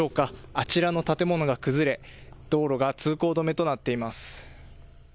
あちらの建物が崩れ、道路が通行止めとなっています。